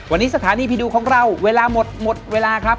วันนี้สถานีผีดุของเราเวลาหมดหมดเวลาครับ